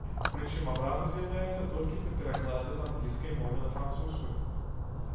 Прычым абраза з'яўляецца толькі пры перакладзе з англійскай мовы на французскую.